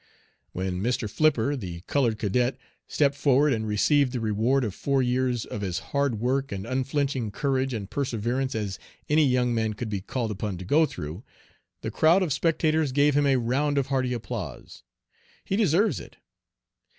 When Mr. Flipper, the colored cadet, stepped forward, and received the reward of four years of as hard work and unflinching courage and perseverance as any young man could be called upon to go through, the crowd of spectators gave him a round of hearty applause. He deserves it.